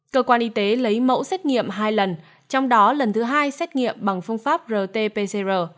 cơ quan y tế lấy mẫu xét nghiệm hai lần trong đó lần thứ hai xét nghiệm bằng phương pháp rt pcr